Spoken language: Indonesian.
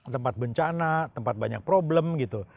tempat bencana tempat banyak problem gitu